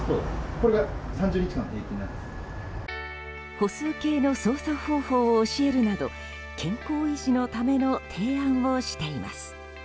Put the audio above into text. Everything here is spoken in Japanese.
歩数計の操作方法を教えるなど健康維持のための提案をしています。